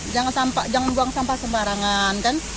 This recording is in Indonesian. jangan buang sampah sembarangan kan